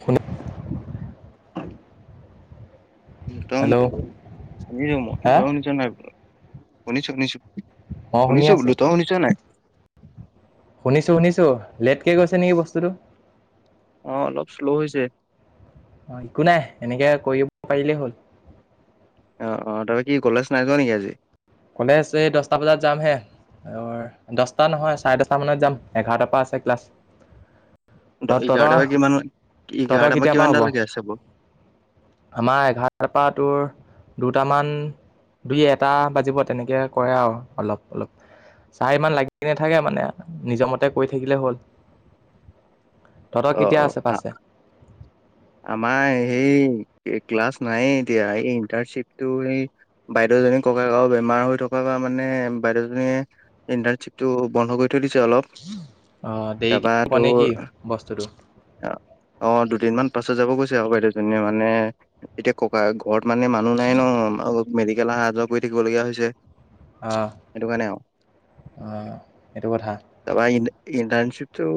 শুনা- তয় শুনিছ, শুনিছো মই হা তয় শুনিছো নাই? শুনিছো শুনিছো। অ শুনি শুনিছো আছো বোলো, তই শুনিছ নাই? শুনিছোঁ শুনিছোঁ, লেটকে গৈছে নেকি বস্তুটো? অঁ অলপ শ্লৌ হৈছে। অঁ একো নাই এনেকে কৰিব পাৰিলে হ'ল। অঁ অঁ তয় কি কলেজ নাই যোৱা নেকি আজি? কলেজ এই দচটা বজাত যাম হে। অঁ দচটা নহয়, চাৰে দচটা মানত যাম এঘাৰটাৰ পৰা আছে ক্লাছ। ত দ তহঁতৰ ইঘাৰটাৰ পৰা কিমানটা তহঁতৰ এঘাৰটাৰ পৰা কেতিয়াৰ হ'ব কিমানটালেকে আছে ব- আমাৰ এঘাৰটাৰ পা টোৰ দুটামান- দুই এটা বাজিব তেনেকে কৰে আৰু অলপ অলপ। চাৰে ইমান লাগি নাথাকে মানে নিজৰ মতে কৰি থাকিলে হ'ল। তহঁতৰ অ কেতিয়া অ আছে আ- পাছে? আমাৰ সেই ক্লাছ নাই এতিয়া এই ইণ্টাৰণশ্বিপটো সেই বাইদেউজনীৰ ককাকৰ বেমাৰ হৈ থকাৰ পা মানে বাইদেউজনীয়ে ইণ্টাৰ্শ্বিপটো বন্ধ কৰি থৈ দিছে অলপ। অ', দেৰিকে তাৰপৰা হ'ব তোৰ নেকি বস্তুটো? অ', দুদিনমান পাছত যাব কৈছে আৰু বাইদেউজনীয়ে মানে এতিয়া ককা ঘৰত মানে মানুহ নাই ন মেডিকেল অহা যোৱা কৰি থাকিবলগীয়া হৈছে। অ', সেইটো কাৰণে আৰু অ', এইটো কথা। তাৰ ইণ্টাৰ্ণশ্বিপটো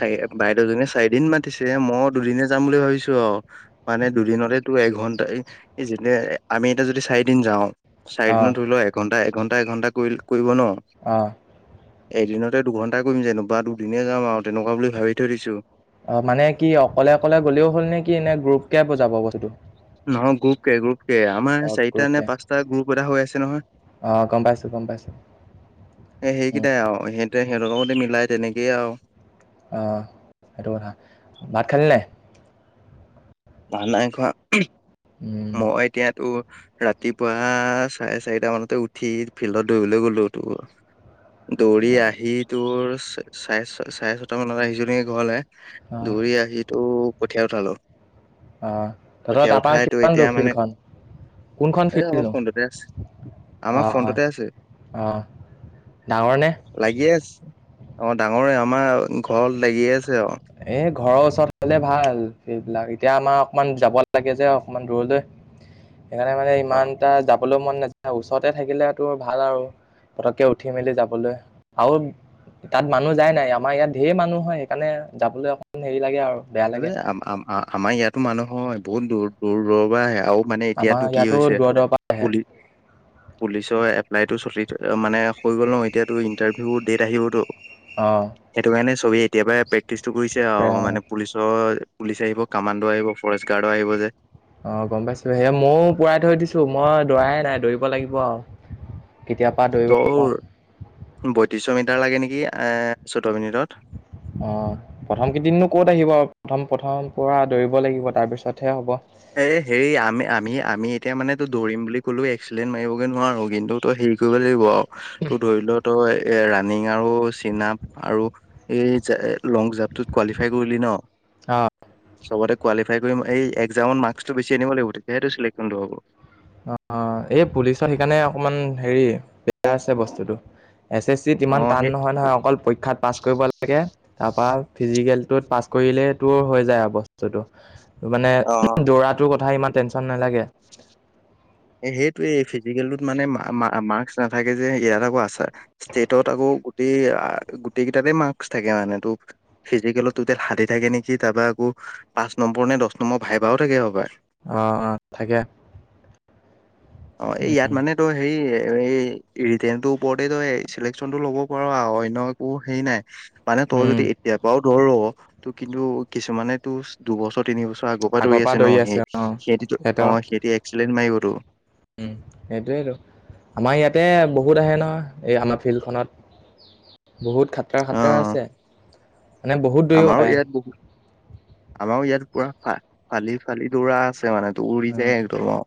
চাগে বাইদেউজনীয়ে চাৰিদিন মাতিছে মই দুদিনে যাম বুলি ভাবিছো আৰু। মানে দুদিনতো এঘন্টাই যে আমি এতিয়া যদি চাৰিদিন যাওঁ। চাৰিদিনত অ', ধৰি লোৱা এঘণ্টা এঘণ্টা এঘণ্টা কৰি কৰিব ন। অ'। এদিনতে দুঘণ্টাই কৰিম যেনিবা দুদিনেই যাম আৰু তেনেকুৱা বুলি ভাবি থৈ দিছোঁ। অ', মানে কি অকলে অকলে গ'লেও হ'ল নে কি এনে গ্ৰুপ কে বজাব বস্তুটো? নহয় গ্ৰুপকে গ্ৰুপ কে আমাৰ অ', চাৰিটা নে গ্ৰুপকে পাঁচটা গ্ৰুপ এটা হৈ আছে নহয়। অ', গম পাইছোঁ, গম পাইছোঁ এ সেইকেইটাই আৰু সেইটোৱে সিহঁতৰ লগতে মিলাই তেনেকেই আৰু। অ', সেইটো কথা, ভাত খালি নাই? ভাত নাই খোৱা উম, মই এতিয়া তোৰ ৰাতিপুৱা চাৰে চাৰিটা মানতে উঠি ফিল্ডত দৌৰিবলৈ গ'লো তোৰ। দৌৰি আহি তোৰ চাৰে-ছ-চাৰে ছটা মানত আহিছোঁ নেকি ঘৰলৈ। অ', দৌৰি আহি তোৰ কঠিয়া উঠালো। অ', তহঁতৰ কঠীয়া তাৰপৰা উঠাই তো কিমান দূৰ এতিয়া মানে ফিল্ডখন? কোনখন এ আমাৰ ফিল্ডনো? ফোনটোতে আছে আমাৰ অ' অ' ফোনটোতে আছে অ'। ডাঙৰনে? লাগিয়েই আছে, অ' ডাঙৰেই আমাৰ ঘৰত লাগিয়েই আছে আৰু। এই ঘৰৰ ওচৰত হ'লে ভাল সেইবিলাক, এতিয়া আমাৰ অকমান যাব লাগে যে অকণমান দূৰলৈ। সেইকাৰণে মানে অ ইমান এটা যাবলৈ মন নাযায়, ওচৰতে থাকিলেতো ভাল আৰু। পতককে উঠি মেলি যাবলৈ আৰু তাত মানুহ যায় নাই? আমাৰ ইয়াত ঢেৰ মানুহ হয় সেইকাৰণে যাবলৈ অকমান হেৰি লাগে আৰু। বেয়া লাগে। আ-আমাৰ ইয়াতো মানুহ হয় বহুত দূৰ দূৰ দূৰৰ পৰা আহে, আৰু মানে এতিয়াতো আমাৰ কি ইয়াতো হৈছে দূৰ দূৰৰ পৰা আহে। পুলি পুলিচৰ এপ্লাইটো চলি থ মানে হৈ গ'ল ন, এতিয়াতো ইণ্টাৰভিউ ডেট আহিবতো। অ'। সেইটোকাৰণে চবেই এতিয়াৰ পৰাই প্ৰেক্টিচটো কৰিছে আৰু মানে। পুলিচৰ পুলিচ আহিব কামাণ্ডো আহিব ফৰেষ্ট গাৰ্ডো আহিব যে। অ', গম পাইছোঁ সেই ময়ো পুৰাই থৈ দিছোঁ মই দৌৰাহে নাই, দৌৰিব লাগিব আৰু। কেতিয়াপা দৌৰি তোৰ বয়ত্ৰিশ মিটাৰ লাগে নেকি এ চৈধ্য মিনিটত। অ'। প্ৰথম কেইদিননো ক'ত আহিব প্ৰথম প্ৰথম পুৰা দৌৰিব লাগিব তাৰপিছতহে হ'ব। এই হেৰি আমি আমি আমি এতিয়া মানে দৌৰিম বুলি ক'লেও এক্সিডেণ্ট মাৰিবগৈ নোৱাৰোঁ। কিন্তু তোৰ হেৰি কৰিব লাগিব। তোৰ ধৰি ল তই এই ৰাণিং আৰু চিন আপ আৰু এই লং জাপটোত কোৱালিফাই কৰিলি ন। অ'। চবতে কোৱালিফাই কৰিম, এই একজামৰ মাৰ্কছটো বেছি আনিব লাগিব, তেতিয়াহে তোৰ চিলেকমেনটো হ'ব। অ'‌ এই পুলিচৰ সেইকাৰণে অকমান হেৰি, বেয়া আছে বস্তুটো, এ এছ চিট অ ইমান টান সেই নহয় নহয়, অকল পৰীক্ষাত পাছ কৰিব লাগে, তাৰপা ফিজিকেলটোত পাছ কৰিলেই তোৰ হৈ যায় আৰু বস্তুটো। মানে অ দৌৰাটোৰ কথা ইমান টেনচন নালাগে। এই সেইটোৱেই, এই ফিজিকেলটোত মানে মাৰ্কচ নাথাকে যে, ইয়াত আকৌ আছে। ষ্টেটত আকৌ গোটেই আ' গোটেই কেইটাতে মাৰ্কচ থাকে, মানে তোৰ ফিজিকেলত টুটেল ষাঠি থাকে নেকি? তাৰপা আকৌ পাঁচ নম্বৰ নে দহ নম্বৰ ভাইবাও থাকে হপাই। অ', অ' থাকে। অ' এই ইয়াত মানে তোৰ হেৰি এই ৰিতেনটোৰ ওপৰতেই তই চিলেকচনতটো ল'ব পাৰ আৰু, অন্য একো হেৰি নাই, মানে তই উম যদি এতিয়াৰ পৰাও দৌৰ' তোৰ কিন্তু কিছুমানে তোৰ দুবছৰ তিনিবছৰ আগৰ পৰা দৌৰি আছে ন, সেই সিহতিতো সিহঁতৰ অ' সিহতি এক্সেলেণ্ট মাৰিবতো। উম, সেইটোৱেই টো। আমাৰ ইয়াতেই বহুত আহে নহয়, এই আমাৰ ফিল্ডখনত। বহুত খাটৰা, অ খাটৰা আছে। মানে বহুত দৌৰিব আমাৰো পাৰে ইয়াত বহুত, আমাৰো ইয়াত পুৰা ফ-ফালি ফালি দৌৰা আছে মানে। তো উৰি যায় অ' একদম আ'।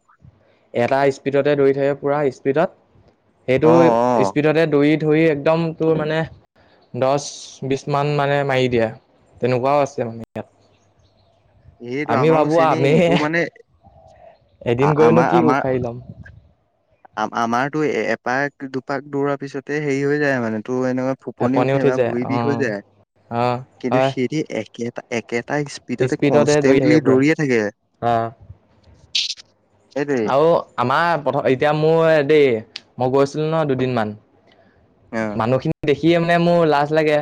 এটা স্পীডতেই দৌৰি থাকে পোৰা স্পীডত, সেইটো অ অ স্পীডতেই দৌৰি ধৌৰি একদম তোৰ মানে দহ বিছ মান মানে মাৰি দিয়ে, তেনেকুৱাও আছে মানে ইয়াত। সেইটো আমি আমাৰো ভাবো চেমি আমিহে এইটো মানে এদিন আ- গৈনো কি উখাৰি ল'ম। আ-আমাৰতো এপাক দুপাক দৌৰাৰ পিছতে হেৰি হৈ যায় মানে, তোৰ এনেকুৱা ফোপনি ফেপনি উঠে উঠি বা যায় ভৰি অ বিষ হৈ যায়, অ কিন্তু হয় সেই দি একেটা একেটাই ইচ স্পীডতে দৌৰি থাকে কনষ্টেন্টলি পুৰা। দৌৰিয়ে থাকে। অ' সেইটোৱে আৰু আমাৰ প্ৰথম এতিয়া মোৰ দেই, মই গৈছিলো ন দুদিনমান। অ মানুহখিনি দেখিয়ে মানে মোৰ লাজ লাগে,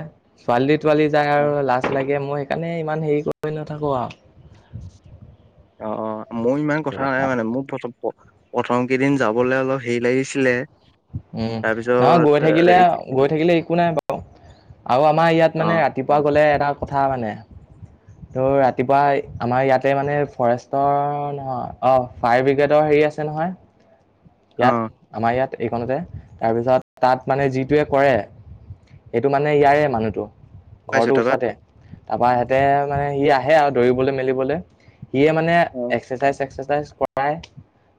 ছোৱালী তোৱালী যায় আৰু লাজ লাগে মই সেইকাৰণে ইমান হেৰি কৰি নাথাকো আৰু। অ', অ' মোৰ ইমান কথা নাই মানে মোৰ ফতক প্ৰথম কেইদিন যাবলৈ অলপ হেৰি লাগিছিলে উম, নহয় গৈ তাৰপিছত থাকিলে এ- গৈ থাকিলে একো নাই বাৰু আৰু আমাৰ ইয়াত অ মানে ৰাতি ৰাতিপুৱা গ'লে এটা কথা মানে তোৰ ৰাতিপুৱা আমাৰ ইয়াতে মানে ফৰেষ্টৰ নহয় অ' ফায়াৰ ব্ৰিগেডৰ হেৰি আছে নহয়। অ ইয়াত আমাৰ ইয়াত। এইকনতে‌ তাৰপিছত তাত মানে যিটোৱে কৰে সেইটো মানে ইয়াৰে মানুহটো পাইছো ঘৰটোৰ তাৰপা ওচৰতে। তাৰপা সিহতে মানে সি আহে আৰু দৌৰিবলৈ মেলিবলৈ। সিয়ে মানে অ এক্সাৰচাইজ চ্চাইজ কৰ কৰাই,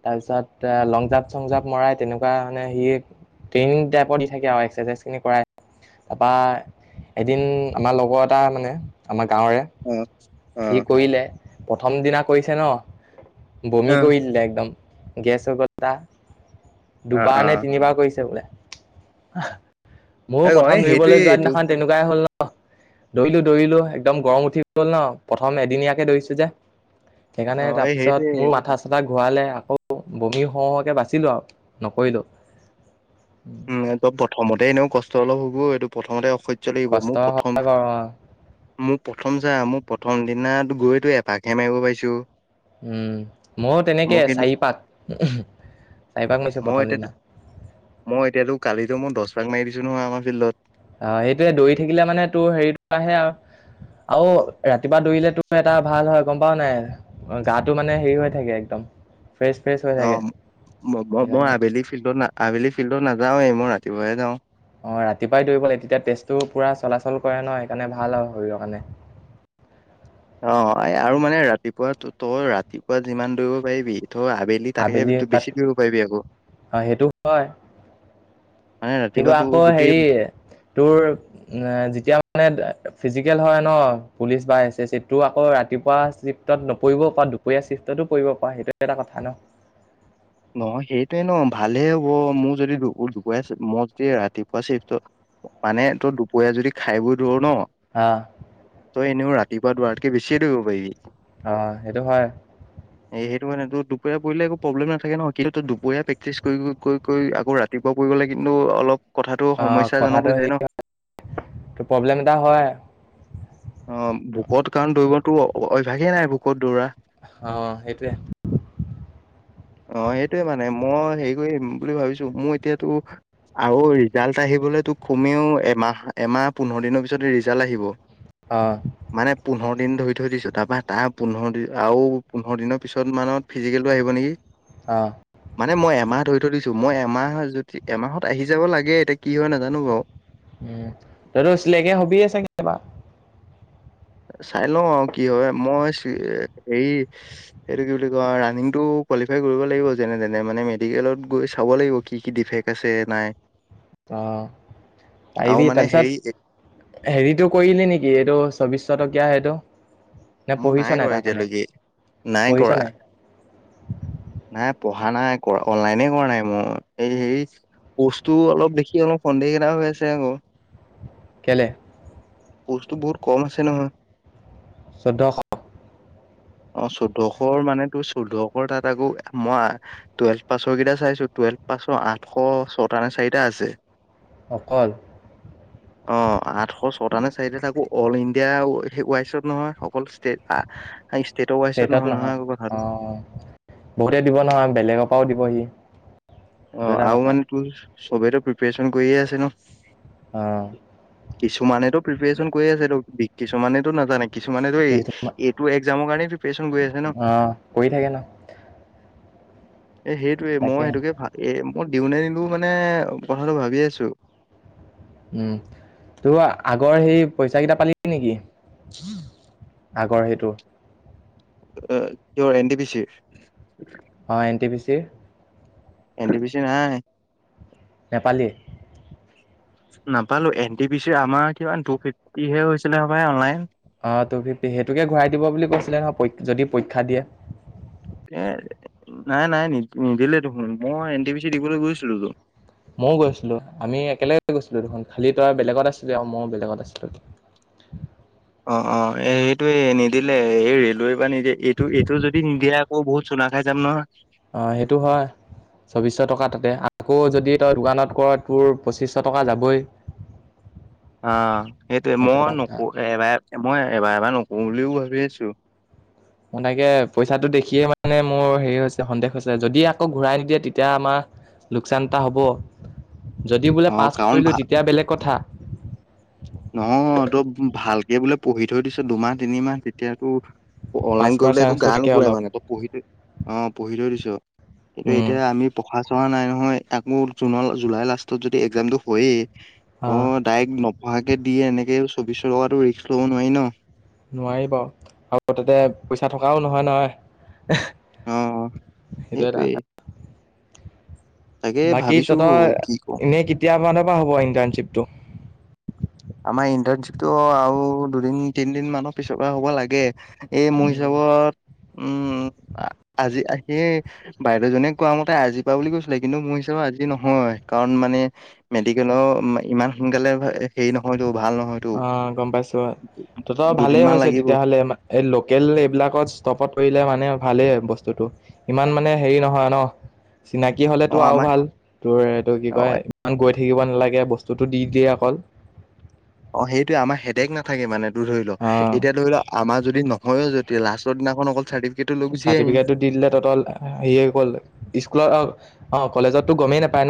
তাৰপিছত লং জাপ চং জাপ মৰাই তেনেকুৱা। তাৰ মানে সি ট্ৰেইনিং টাইপৰ দি থাকে আৰু এক্সাৰচাইজ খিনি কৰা। তাৰপৰা এদিন আমাৰ লগৰ এটা মানে আমাৰ গাঁওৰে। অ সি অ কৰিলে প্ৰথম দিনা কৰিছে ন। অ বমি কৰিদিলে একদম গেছ হৈ গলা তাৰ। অ অ দুবাৰ নে তিনিবাৰ কৰিছে বোলে, ময়ো এই অ এই প্ৰথম দৌৰিবলৈ সেইটোৱে যোৱা এইটো দিনাখন তেনেকুৱাই হ'ল ন। দৰিলো, দৰিলো একদম গৰম উঠি গল ন, প্ৰথম এদিনীয়াকে দৰিছো যে। সেইকাৰণে অ তাৰ এই সেইটোৱে পিছত মোৰ মাথা-চাথা ঘূৰালে আকৌ বমি হও হওঁকে বাচিলোঁ আৰু। নকৰিলোঁ। উম, এহেত প্ৰথমতে এনেও কষ্ট অলপ হ'বই এইটো প্ৰথমতে অসহ্য লাগিব কষ্ট মোৰ হয় প্ৰথম বাৰু অ মোৰ প্ৰথম যাই আ মোৰ প্ৰথম দিনাত গৈতো এপাকহে মাৰিব পাইছোঁ। উম, মইও তেনেকে চাৰিপাক, চাৰিপাক মাৰিছোঁ মই প্ৰথম এতিয়া দিনা। মই এতিয়াতো কালিতো মই দছপাক মাৰি দিছো নহয় আমাৰ ফিল্ডত। অ'সেইটোৱে দৌৰি থাকিলে মানে তোৰ হেৰিটো আহে আ আৰু ৰাতিপুৱা দৌৰিলে তোৰ এটা ভাল হয় গম পাওঁ নাই অ' গাটো মানে হেৰি হৈ থাকে একদম ফ্ৰেছ, ফ্ৰেছ হৈ থাকে অ' ম-ম-মই সেইকাৰণে আবেলি ফিল্ডত না আবেলি ফিল্ডত নাযাওৱেই মই ৰাতিপুৱাহে যাওঁ। অ' ৰাতিপুৱাই দৌৰিব লাগে তেতিয়া তেজটো পুৰা চলাচল কৰে নহয় সেইকাৰণে ভাল আৰু শৰীৰৰ কাৰণে। অ' এ আৰু মানে ৰাতিপুৱা ত-তই ৰাতিপুৱা যিমান দৌৰিব পাৰিবি তই আবেল লি তাতকে আবেলি [unintelligible] তাত বেছি দৌৰিব পাৰিবি আকৌ। অ সেইটো হয় মানে কিন্তু ৰাতিপুৱা তোৰ আকৌ গোটেই হেৰি তোৰ যেতিয়া মানে ফিজিকেল হয় ন, পুলিচ বা এছ এছ চি ত, তোৰ আকৌ ৰাতিপুৱা স্লিপ টত নপৰিব পৰা দুপৰীয়া চিফটতো পৰিব পাৰ সেইটো এটা কথা ন'। নহয় সেইটোৱে ন' ভালহে হ'ব মোৰ যদি দু-দুপৰীয়া চিফ্ট মই যদি ৰাতিপুৱা চিফটত মানে তোৰ দুপৰীয়া যদি খাই বৈ দৌৰ ন' আহ, ত' এনেও ৰাতিপুৱা দৌৰাতকে বেছিয়ে দৌৰিব পাৰিবি। অ' সেইটো হয়। এ সেইটো মানে তোৰ দুপৰীয়া পৰিলে একো প্ৰবলেমে থাকে ন' কিন্তু তই দুপৰীয়া প্ৰেক্টিছ কৰি-কৰি- কৰি -কৰি আক ৰাতিপুৱা কৰিবলে কিন্তু অলপ কথাটো সমস্যাজনক হৈ যায় ন? টো প্ৰব্লেম এটা হয়। অ'ভোকত কাৰণ দৌৰিবতো অভ্যাসে নাই ভোকত দৌৰা। অ'সেইটোৱে। অ' সেইটোয়ে মানে মই হেৰি কৰিম বুলি ভাবিছো মোৰ এতিয়াতো আৰু ৰিজাল্ট আহিবলৈ তো কমেও এমাহ, এমাহ পোন্ধৰ দিনৰ পিছতে ৰিজাল্ট আহিব। অ', মানে পোন্ধৰ দিন ধৰি থৈ দিছো তাৰপা তাৰ পোন্ধৰ দিন আৰু পোন্ধৰ দিনৰ পিছত মানত ফিজিকেলটো আহিব নেকি? অ', মানে মই এমাহ ধৰি থৈ দিছো মই এমাহ যদি এমাহত আহি যাব লাগে এতিয়া কি হয় নাজানো বাৰু। উম, তইতো ছিলেকে হবিয়ে চাগে এইবাৰ। চাই লওঁ আৰু কি হয় মই চি হেৰি এইটো কি বুলি কয় ৰানিংটো কোৱালিফাই কৰিব লাগিব যেনে তেনে মানে মেডিকেলত গৈ চাব লাগিব কি, কি ডিফেক্ট আছে নাই। অ' আৰু আহিবি মানে হেৰি তাৰপিছত হেৰিটো কৰিলি নেকি এইটো চৌব্বিছ টকীয়া সেটো? তে মই পঢ়িছ নাই কৰা তাৰ কাৰণে এতিয়ালৈকে পঢ়িছ নাই? নাই পঢ়া নাই কৰা অনলাইনে কৰা নাই মোৰ এই হেইচ কোৰ্চ টো অলপ দেখি অলপ সন্দেহকেইটা হৈ আছে আকৌ। কেলে? পোষ্ট বহুত কম আছে নহয়। চৈধ্যশ। অ', চৈধ্যশৰ মানে তোৰ চৈধ্যশ তাত আকৌ, মই আ টুৱেলভ পাছৰ কেইটা চাইছোঁ, টুৱেলভ পাছৰ আঠশ ছটা নে চাৰিটা আছে। অকল? অ', আঠশ চ টা নে চাইতা তাকো অল ইণ্ডিয়া ৱাইছত নহয়, অকলো ষ্টেট আ ষ্টেটৰ ৱাইছত ষ্টেটত নহয় নহয় আক' কথাটো। অঁ বহুতে দিব নহয়, বেলেগৰ পৰাও দিবহি। অ', আৰু মানে তোৰ চবেইটো প্ৰিপ্ৰেচন কৰিয়ে আছে ন। অ'। কিছুমানেটো প্ৰিপ্ৰেচন কৰি আছে, টো কিছুমানেতো নাজানে। কিছুমানেতো কি তোমা- এই-এইটো এক্জামৰ কাৰণে প্ৰিপ্ৰেচন কৰি আছে ন। অঁ কৰি থাকে ন এ সেইটোৱে মই তাকে সেইটোকে ভা এ, মই দিওঁ নে নিদো মানে কথাটো ভাবি আছোঁ‌। উম, তোৰ আগৰ সেই পইচা কিটা পালি নেকি? আগৰ সেইটো। এ, কিহৰ এন টি পি চিৰ? অ', এন টি পি চিৰ? এন্টি পি ছিৰ নাই। নেপালি? নাপালোঁ‌, এনটি পি চিৰ আমাৰ কিমান, টু ফিফটিহে হৈছিলে হপায় অনলাইন। অ', টু ফিফটি, সেইটোকে ঘূৰাই দিব বুলি কৈছিলে নহয় প যদি পৰীক্ষা দিয়ে। এ, নাই নাই, নি-নিদিলে দেখোন, মই এন টি পি চি দিবলৈ গৈছিলোঁ টো। ময়ও গৈছিলো, আমি একেলগে গৈছিলোঁ‌ দেখোন, খালি তই বেলেগত আছিলি আৰু ময়ো বেলেগত আছিলো। অ'-অ', এইটোৱে নিদিলে, এই ৰেলৱে পৰা নিদিয়ে, এইটো-এইটো যদি নিদিয়ে আকৌ কৌ বহুতুু চুঙা খায় যাম নহয়। অ', সেইটো হয়। চৌবিছশ টকা, তাতে আকৌ যদি তই দোকানত কৰ তোৰ পঁচিছশ টকা যাবই। [inaudible] অ', সেইটোয়ে সেইটো মই এটা কথা নকো, এবাৰ মই এবাৰ এবাৰ নকৰো বুলিও ভাবি আছোঁ‌। তাকে পইচাটো দেখিয়ে মানে মোৰ হেৰি হৈছে, সন্দেহ হৈছে, যদি আকৌ ঘূৰাই নিদিয়ে তেতিয়া আমাৰ লোকচান এটা হ'ব, যদি বোলে অ পাছ কাৰণ কৰিলোঁ ভাল তেতিয়া বেলেগ কথা। নহ, তই ভালকে বোলে পঢ়ি থৈ দিছ দুমাহ, তিনিমাহ তেতিয়াতো পাছ অনলাইন কৰাৰ কৰিবলৈ একো চান্সটো গা থাকে নোপোৰে অলপ মানে, তই পঢ়ি থৈ অ', পঢ়ি থৈ দিছ কিন্তু, উম এতিয়া আমি পঢ়া-চহা নাই নহয়, আকৌ জুনৰ লা-জুলাই লাষ্টত যদি একজামটো হয়েই। ত অ'। ডাইৰেক্ট নপঢ়াকৈ দিয়ে এনেকৈ চৌবিশ টকাটো ৰিক্স ল'ব নোৱাৰি ন'। নোৱাৰি বাৰু, আৰু তাতে পইচা থকাও নহয় নহয়। অ সেইটো এটা সেইটোৱে কথা। তাকে বাকী ভাবিছো তহঁতৰ, কি কওঁ এনেই কেতিয়া মানৰ পৰা হ'ব ইণ্টাৰণশ্বিপটো? আমাৰ ইণ্টাৰ্ণশ্বিপতো আৰু দুদিন, তিনদিন মানৰ পিছৰ পৰা হ'ব লাগে। এই মোৰ হিচাপত, উম, আ-আজি আজিয়ে বাইদেউ জনীয়ে কোৱা মতে আজি পা বুলি কৈছিলে, কিন্তু মোৰ হিচাপে আজি নহয় কাৰণ, মানে মেডিকেলৰ ইমান সোনকালে হেৰি নহয়তো, ভাল নহয়। অ', গ'ম পাইছোঁ, তহঁতৰ ভালে দুদিনমান হৈছে লাগিব তেতিয়াহ'লে এইলোকেল এইবিলাকত ষ্টপত কৰিলে মানে ভালেই বস্তুটো। ইমান মানে হেৰি নহয় ন' চিনাকি অ হ'লেতো আৰু আমাৰ ভাল তোৰ এইটো কি অ কয় ইমান গৈ থাকিব নালাগে, বস্তুতটো দি দিয়ে অকল। অ', সেইটোয়ে আমাৰ হেডেক নাথাকে মানে তোৰ ধৰি লও অ', এতিয়া ধৰি লোৱা আমাৰ যদি নহয়ও যদি, লাষ্টৰ দিনাখন অকল চাৰ্টিফিকেট চাৰ্টিফিকেটো দি দিলে তহঁতৰ হেৰি হৈ গ'ল স্কুলত অ', কলেজতটো গমেই নাপায়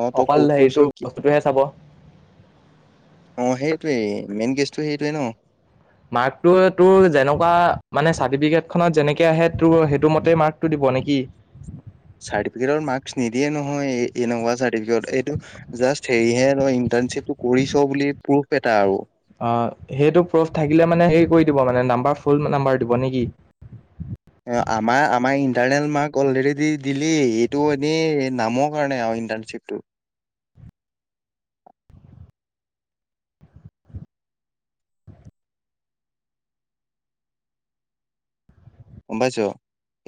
অ তই অকল ক'ত কৰিছ হেৰিটো কি বস্তুটোহে চাব। অ', সেইটোৱে মেইন কেছটো সেইটোৱে ন'। মাৰ্কটো তোৰ যেনেকুৱা মানে, চাৰ্টিফিকেটখনত যেনেকে আহে তোৰ সেইটো মতেই মাৰ্কটো দিব নেকি? চাৰ্টিফিকেটত মাৰ্ক্স নিদিয়ে নহয়, এনেকুৱা চাৰ্টিফিকত এইটো জাষ্ট হেৰিহে ইন্টাৰ্নশ্বিপটো কৰিছ বুলি প্ৰুফ এটা আৰু। অ', সেইটো প্ৰুফ থাকিলে মানে হেৰি কৰি দিব মানে নাম্বাৰ ফুল নাম্বাৰ দিব নেকি? আমাৰ আমাৰ ইণ্টাৰনেল মাৰ্ক অলৰেডি দি দিলেই এইটো এনেই নামৰ কাৰণে আৰু। ইণ্টানশ্বিপটো। গ'ম পাইছ?